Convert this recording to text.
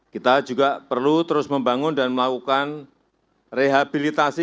kita juga perlu terus membangun dan melakukan rehabilitasi